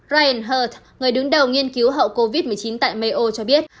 ryan her người đứng đầu nghiên cứu hậu covid một mươi chín tại mayo cho biết